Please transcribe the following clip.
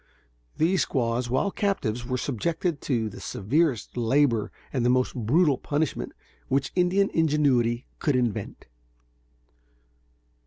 These squaws, while captives, were subjected to the severest labor and the most brutal punishment which Indian ingenuity could invent.